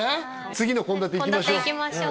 次の献立いきましょう